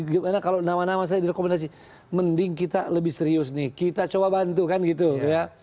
gimana kalau nama nama saya direkomendasi mending kita lebih serius nih kita coba bantu kan gitu ya